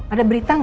ada berita gak